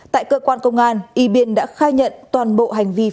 tại cơ quan công an yibin đã khai nhận toàn bộ hành vi